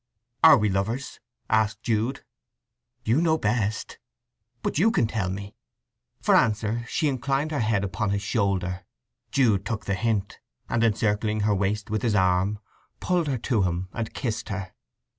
"Are we lovers?" asked Jude. "You know best." "But you can tell me?" For answer she inclined her head upon his shoulder. Jude took the hint, and encircling her waist with his arm, pulled her to him and kissed her.